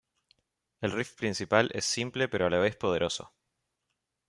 El riff principal es simple pero a la vez poderoso.